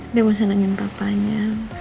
udah mau senangin papanya